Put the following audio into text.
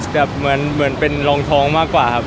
ไม่ไม่อิ่มครับแต่แบบเหมือนเป็นรองท้องมากกว่าครับ